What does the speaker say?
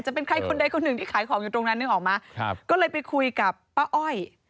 จะเป็นใครคนใดคนหนึ่งที่ขายของอยู่ตรงนั้นนึกออกมาครับก็เลยไปคุยกับป้าอ้อย